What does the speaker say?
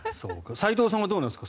斎藤さんはどうなんですか？